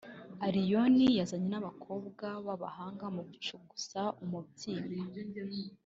Allioni yazanye n’abakobwa b’abahanga mu gucugusa umubyimba